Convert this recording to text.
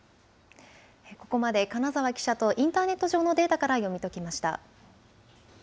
ここまで、金澤記者とインターネット上のデータから読み解きました。